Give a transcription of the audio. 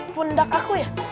pundak aku ya